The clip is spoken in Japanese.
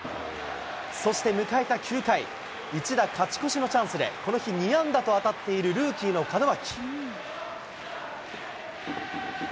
そして迎えた９回、一打勝ち越しのチャンスで、この日２安打と当たっているルーキーの門脇。